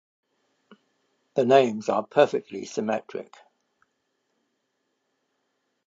The names are perfectly symmetric.